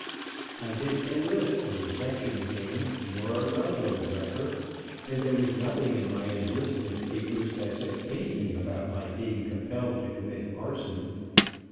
I didn't enlist as a section hand, nor a railroad wrecker, and there was nothing in my enlistment papers that said anything about my being compelled to commit arson.